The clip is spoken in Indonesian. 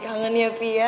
kangen ya pih ya